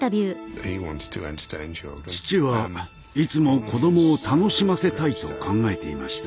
父はいつも子供を楽しませたいと考えていました。